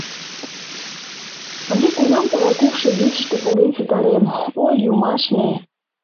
Ынде кунам тыгай кукшо игечыште поген ситарем, ой, юмашне!..